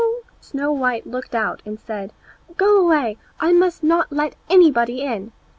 Snow white looked out and said, "Go away, I must not let anybody in."